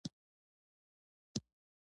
عالمان وژني پر کليو بمبارۍ کوي.